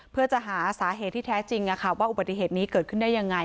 เพื่อจะหาสาเหตุที่แท้จริงว่าอุบัติเหตุนี้เกิดขึ้นได้ยังไง